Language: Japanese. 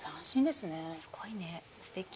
すごいねすてき。